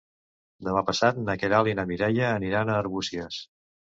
Demà passat na Queralt i na Mireia aniran a Arbúcies.